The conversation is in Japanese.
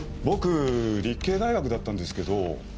僕立慶大学だったんですけど。